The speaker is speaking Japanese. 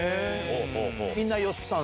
みんなＹＯＳＨＩＫＩさん